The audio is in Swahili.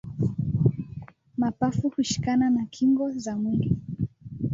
Mapafu hushikana na kingo za mwili